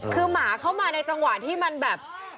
คือมหาเข้ามาในจังหวะที่ถึงจับแล้ว